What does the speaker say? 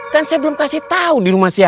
kan saya belum kasih tahu di rumah siapa